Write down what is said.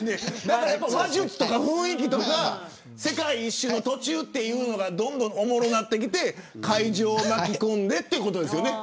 話術とか雰囲気とか世界一周の途中というのがどんどんオモロなってきて会場を巻き込んでということですよね。